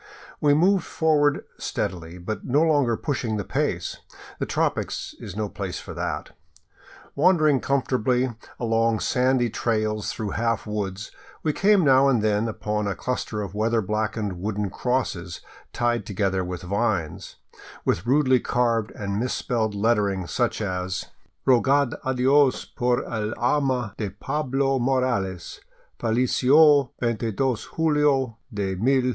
We moved forward steadily, but no longer pushed the pace; the tropics is no place for that. Wandering comfortably along sandy trails through half woods, we came now and then upon a cluster of weather blackened wooden crosses tied together with vines, with rudely carved and misspelled lettering, such as: " Rogad adios por el alma de Pablo Morales Fallesio 22 jullo de 191 1.